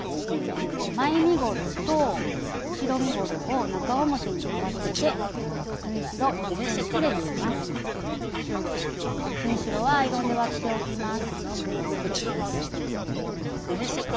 前身ごろと後ろ身ごろを中表に合わせて縫い代１ｃｍで縫います。